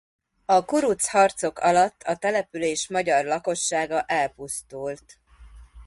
A kuruc harcok alatt a település magyar lakossága elpusztult.